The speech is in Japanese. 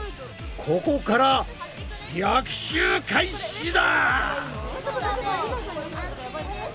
ここから逆襲開始だ！